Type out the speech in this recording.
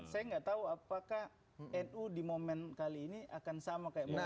saya nggak tahu apakah nu di momen kali ini akan sama kayak monas